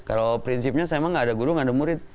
kalau prinsipnya saya emang gak ada guru nggak ada murid